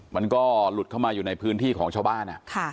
มันก็หลุดเข้ามาอยู่ในพื้นที่ของชาวบ้าน